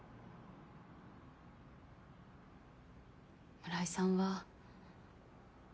村井さんは。